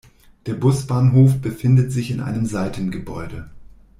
Der Busbahnhof befindet sich in einem Seitengebäude.